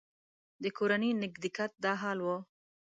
د کورني نږدېکت دا حال و.